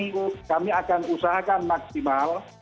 mereka akan usahakan maksimal